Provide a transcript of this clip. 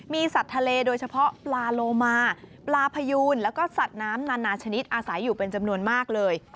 มีสัตว์ทะเลโดยเฉพาะปลาโลมาปลาพยูนแล้วก็สัตว์น้ำนานาชนิดอาศัยอยู่เป็นจำนวนมากเลย